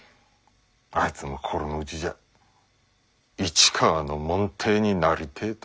あいつも心の内じゃ市川の門弟になりてえと。